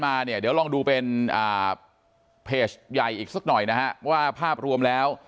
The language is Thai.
มาเนี่ยเดี๋ยวลองดูเป็นเพจใหญ่อีกสักหน่อยนะฮะว่าภาพรวมแล้ว